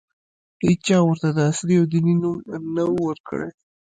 هېچا ورته د عصري او دیني نوم نه ؤ ورکړی.